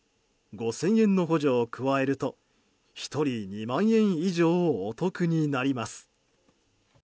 ５０００円の補助を加えると１人２万円以上お得になります。